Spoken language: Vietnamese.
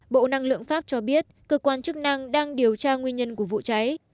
bộ năng lượng pháp cho biết cơ quan chức năng đang điều tra nguyên nhân của vụ cháy